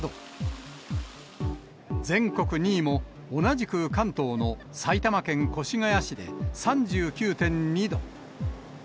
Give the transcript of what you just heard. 全国２位も、同じく関東の埼玉県越谷市で３９．２度。